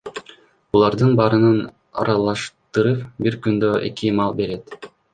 Булардын баарын аралаштырып, бир күндө эки маал берет.